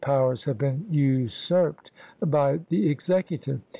powers have been usurped by the Executive.